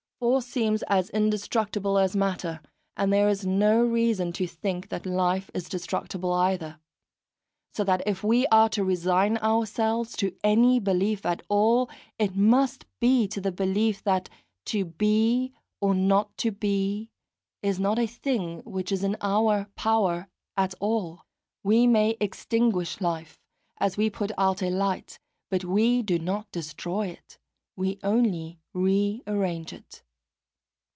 Force seems as indestructible as matter, and there is no reason to think that life is destructible either. So that if we are to resign ourselves to any belief at all, it must be to the belief that "to be, or not to be" is not a thing which is in our power at all. We may extinguish life, as we put out a light; but we do not destroy it, we only rearrange it.